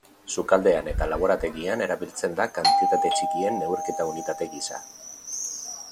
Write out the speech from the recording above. Sukaldean eta laborategian erabiltzen da kantitate txikien neurketa unitate gisa.